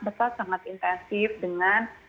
besar sangat intensif dengan